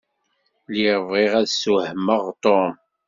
Lliɣ bɣiɣ ad sswehmeɣ Tom.